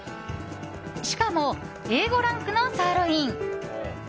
しかもＡ５ランクのサーロイン。